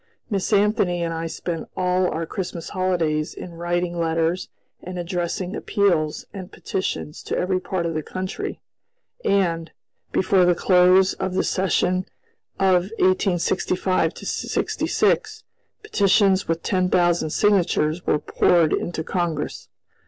Miss Anthony and I spent all our Christmas holidays in writing letters and addressing appeals and petitions to every part of the country, and, before the close of the session of 1865 66, petitions with ten thousand signatures were poured into Congress.